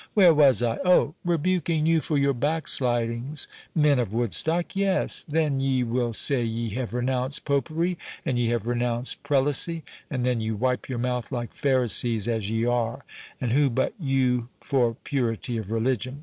—Where was I?—Oh, rebuking you for your backslidings, men of Woodstock.—Yes, then ye will say ye have renounced Popery, and ye have renounced Prelacy, and then ye wipe your mouth like Pharisees, as ye are; and who but you for purity of religion!